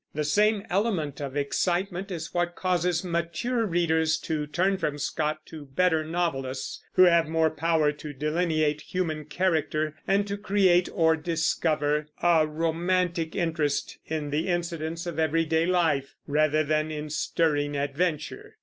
The same element of excitement is what causes mature readers to turn from Scott to better novelists, who have more power to delineate human character, and to create, or discover, a romantic interest in the incidents of everyday life rather than in stirring adventure.